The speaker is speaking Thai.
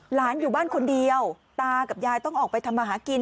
หลานอยู่บ้านคนเดียวตากับยายต้องออกไปทำมาหากิน